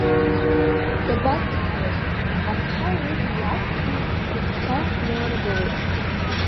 Дабацахуаз, аԥҳал лыжәҩа иаақәхны рыгәҭа иналыргылеит.